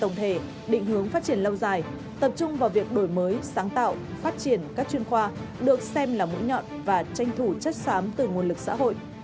tổng thể định hướng phát triển lâu dài tập trung vào việc đổi mới sáng tạo phát triển các chuyên khoa được xem là mũi nhọn và tranh thủ chất xám từ nguồn lực xã hội